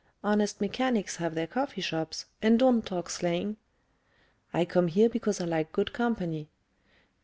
Honest mechanics have their coffee shops, and don't talk slang." "I come here because I like good company."